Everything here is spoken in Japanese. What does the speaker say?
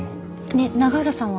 ねえ永浦さんは？